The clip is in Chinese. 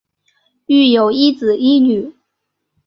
育有一子一女。